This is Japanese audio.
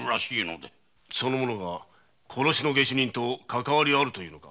その者が殺しの下手人とかかわりがあるというのか？